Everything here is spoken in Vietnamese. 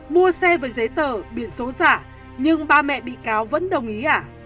mua xe với giấy tờ biển số giả nhưng ba mẹ bị cáo vẫn đồng ý à